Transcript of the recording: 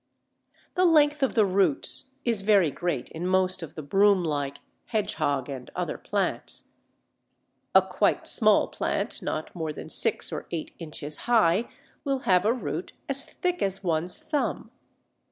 The length of the roots is very great in most of the broom like, "hedgehog," and other plants. A quite small plant not more than six or eight inches high will have a root as thick as one's thumb.